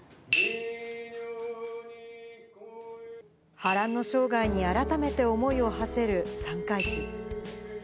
波乱の生涯に改めて思いをはせる三回忌。